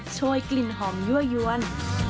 ช่วยกลิ่นหอมยั่วยวน